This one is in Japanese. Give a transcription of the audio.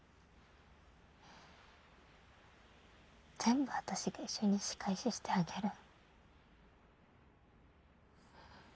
全部私が一緒に仕返ししてあげる。